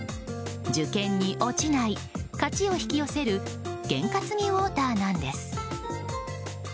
受験に落ちない勝ちを引き寄せる験担ぎウォーターなんです。